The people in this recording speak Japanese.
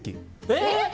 えっ！